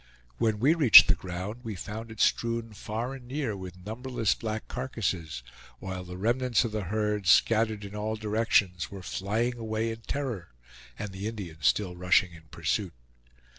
When we reached the ground we found it strewn far and near with numberless black carcasses, while the remnants of the herd, scattered in all directions, were flying away in terror, and the Indians still rushing in pursuit.